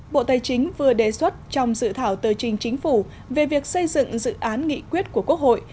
bộ tài chính vừa đề xuất trong dự thảo tờ trình chính phủ về việc xây dựng dự án nghị quyết của quốc hội